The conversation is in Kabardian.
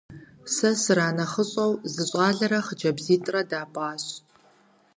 Сэ сранэхъыщӀэу зы щӏалэрэ хъыджэбзитӏрэ дапӀащ.